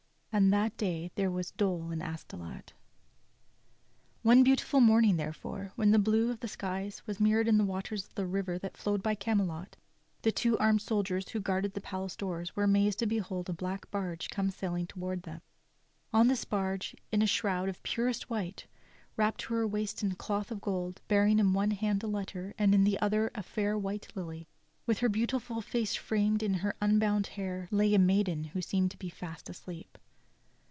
And that day there was dole in Astolat. One beautiful morning, therefore, when the blue of the skies was mirrored in the waters of the river that flowed by Camelot, the two A BLACK BARGE CAME SAILING TOWARD THEM Seascape, Turner, London [Courtesy Braun el Ci'e.] armed soldiers who guarded the palace door were amazed to behold a black barge come sailing toward them. On this barge, in a shroud of purest white, wrapped to her waist in cloth of gold, bearing in one hand a letter and in the other a fair white lily, with her beautiful face framed in her unbound hair, lay a maiden who seemed to them to be fast asleep.